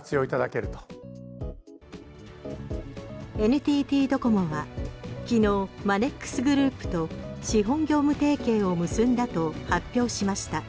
ＮＴＴドコモは昨日マネックスグループと資本業務提携を結んだと発表しました。